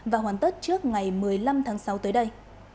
và hoàn tất trước ngày một mươi năm tháng sáu tới đây